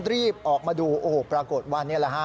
รีบออกมาดูปรากฏว่านี่แหละ